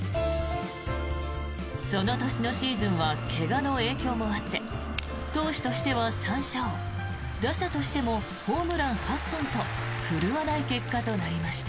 その年のシーズンは怪我の影響もあって投手としては３勝打者としてもホームラン８本と振るわない結果となりました。